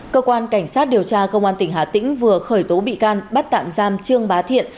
cơ quan cảnh sát điều tra công an tỉnh hà tĩnh vừa khởi tố bị can bắt tạm giam trương bá thiện